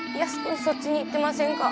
そっちに行ってませんか？